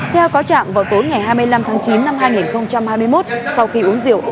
theo cáo trạng vào tối ngày hai mươi năm tháng chín năm hai nghìn hai mươi một sau khi uống rượu